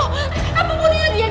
pembunuhnya diego ada disini pak